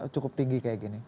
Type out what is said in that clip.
cukup tinggi kayak gini